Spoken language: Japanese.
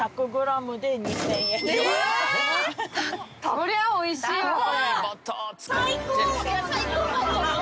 そりゃおいしいわ。